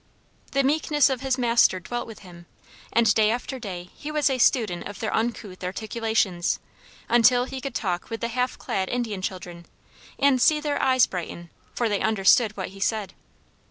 The meekness of his Master dwelt with him, and day after day he was a student of their uncouth articulations, until he could talk with the half clad Indian children, and see their eyes brighten, for they understood what he said.